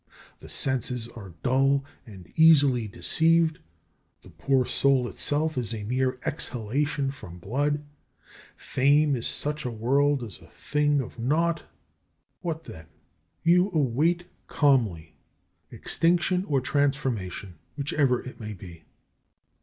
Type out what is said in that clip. The senses are dull and easily deceived. The poor soul itself is a mere exhalation from blood. Fame in such a world is a thing of naught. What then? You await calmly extinction or transformation, whichever it may be.